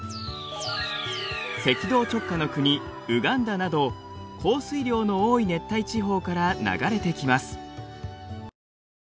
赤道直下の国ウガンダなど降水量の多い熱帯地方から流れてきます。